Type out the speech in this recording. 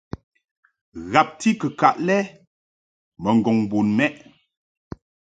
Ghabti kɨkaʼ lɛ mbo ŋgɔŋ bun mɛʼ.